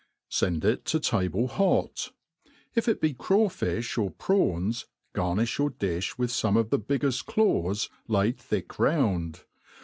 Send ft to table hot. If it be craw fifh or prawQSy garoifh your difli with fome of the biggeft claws laid thick round.